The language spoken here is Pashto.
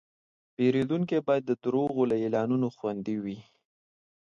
پیرودونکی باید د دروغو له اعلانونو خوندي وي.